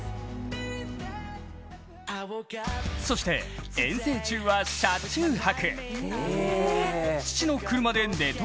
そして遠征中は車中泊。